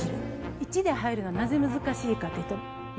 １で入るのがなぜ難しいかというと。